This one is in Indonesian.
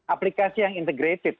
aplikasi yang integrated